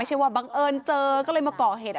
ไม่ใช่ว่าบังเอิญเจอก็เลยมาเกาะเหตุ